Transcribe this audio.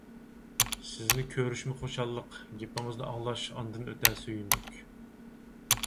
سىزنى كۆرۈشمۇ خۇشاللىق، گېپىڭىزنى ئاڭلاش ئاندىن ئۆتە سۆيۈملۈك!